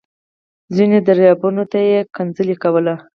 ځينو درباريانو ته يې کنځلې کولې.